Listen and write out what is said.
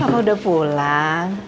papa udah pulang